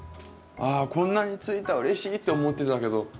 あこんなについたうれしいって思ってたけど。